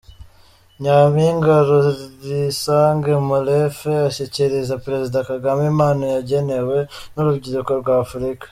Nyampinga Rorisange Molefe ashyikiriza Perezida Kagame impano yagenewe n’urubyiruko rwa Afurika.